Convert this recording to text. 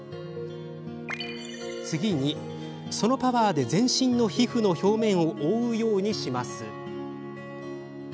次に、そのパワーで全身の皮膚の表面を覆うようにします。